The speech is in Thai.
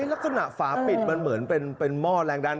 ลักษณะฝาปิดมันเหมือนเป็นหม้อแรงดัน